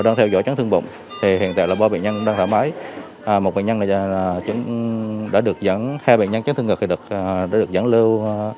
đang theo dõi chấn thương bụng hiện tại ba bệnh nhân đang thoải mái một bệnh nhân đã được dẫn lưu